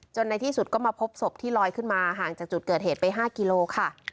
ในที่สุดก็มาพบศพที่ลอยขึ้นมาห่างจากจุดเกิดเหตุไป๕กิโลค่ะ